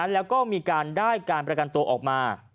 แล้วก็มีการได้การประกันตัวออกมา